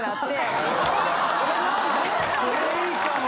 それいいかも！